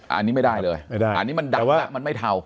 อันนี้ไม่ได้เลยไม่ได้อันนี้มันดังแล้วมันไม่เทา